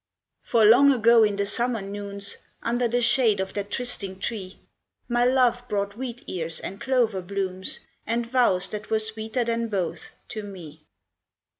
For long ago in the summer noons, Under the shade of that trysting tree, My love brought wheat ears and clover blooms, And vows that were sweeter than both, to me.